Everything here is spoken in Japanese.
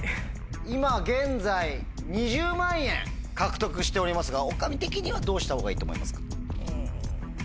今現在２０万円獲得しておりますがおかみ的にはどうしたほうがいいと思いますか？